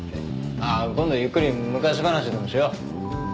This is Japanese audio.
あっ今度ゆっくり昔話でもしよう。